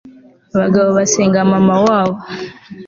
abagabo basenga mama wabo